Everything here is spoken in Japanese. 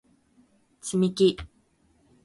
つみき